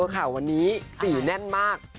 ข่าววันนี้๔แน่นมาก